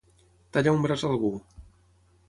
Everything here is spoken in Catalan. Tallar un braç a algú.